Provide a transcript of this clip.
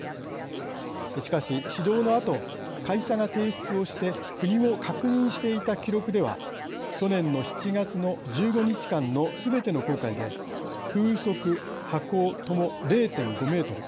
しかし指導のあと、会社が提出をして国も確認していた記録では去年の７月の１５日間のすべての航海で風速、波高とも０．５メートル